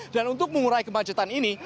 dan untuk mengurai kemacetan ini